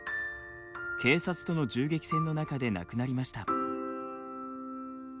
警察との銃撃戦の中で亡くなりました。